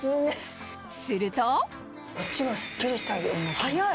すると早い！